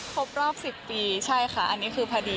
ครบรอบ๑๐ปีใช่ค่ะอันนี้คือพอดี